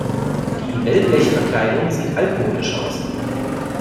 Die Wellblechverkleidung sieht altmodisch aus.